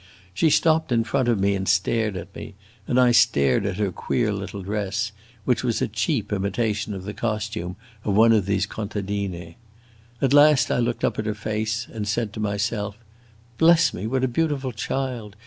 She stopped in front of me and stared at me, and I stared at her queer little dress, which was a cheap imitation of the costume of one of these contadine. At last I looked up at her face, and said to myself, 'Bless me, what a beautiful child!